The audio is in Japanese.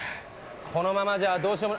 このままじゃどうしようも。